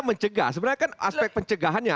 mencegah sebenarnya kan aspek pencegahannya